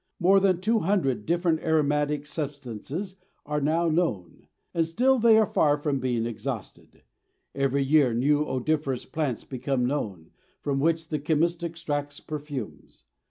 More than two hundred different aromatic substances are now known, and still they are far from being exhausted; every year new odoriferous plants become known, from which the chemist extracts perfumes.